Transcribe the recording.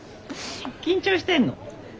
緊張してんの？